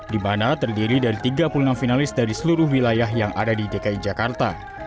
di mana terdiri dari tiga puluh enam finalis dari seluruh wilayah yang ada di dki jakarta